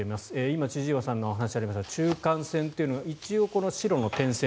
今、千々岩さんのお話にありました中間線というのは一応、白の点線